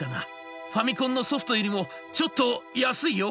ファミコンのソフトよりもちょっと安いよ」。